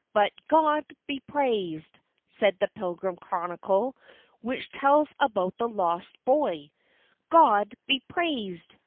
"But GOD be praised!" says the Pilgrim Chronicle, which tells about the lost boy, "GOD be praised!